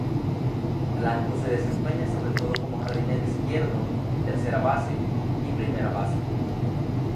Blanco se desempeña sobre todo como jardinero izquierdo, tercera base y primera base.